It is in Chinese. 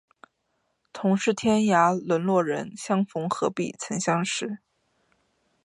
同是天涯沦落人，相逢何必曾相识